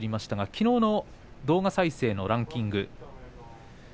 きのうの動画再生ランキングです。